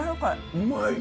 うまい。